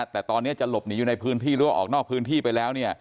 แต่ตอนนี้จะหลบหนีอยู่ในพื้นที่หรือว่าออกนอกพื้นที่ไปแล้ว